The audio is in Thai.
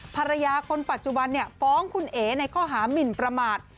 ภรรยาคนปัจจุบันฟ้องคุณเอ๋ในข้อหามินประมาท